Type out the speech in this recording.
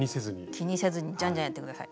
気にせずにじゃんじゃんやって下さい。